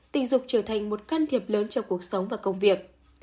tình dục trở thành một can thiệp lớn cho cuộc sống và công việc